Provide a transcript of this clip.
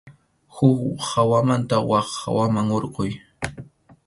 Huk hawamanta wak hawaman hurquy.